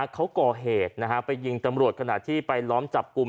เขาก่อเหตุไปยิงตำรวจขณะที่ไปล้อมจับกลุ่ม